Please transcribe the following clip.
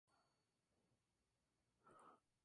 Otro uso es para absorber toxinas que producen diarrea.